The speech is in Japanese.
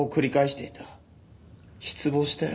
失望したよ。